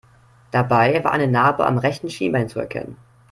Dabei war eine Narbe am rechten Schienbein zu erkennen.